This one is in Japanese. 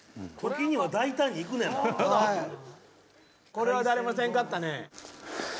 これは誰もせんかったね。